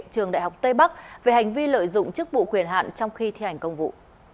trường đại học tây bắc về hành vi lợi dụng chức vụ quyền hạn trong khi thi hành công vụ